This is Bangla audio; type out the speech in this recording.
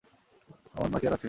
অমন মা কি আর আছে!